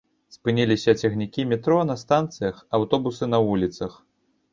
Спыніліся цягнікі метро на станцыях, аўтобусы на вуліцах.